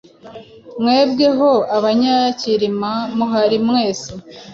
Mwebwe ho Abanyacyilima muhari mwese